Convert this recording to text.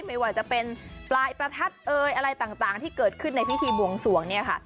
ไม่ว่าจะเป็นปลายประทัดเอ่ยอะไรต่างที่เกิดขึ้นในพิธีบวงสวงเนี่ยค่ะ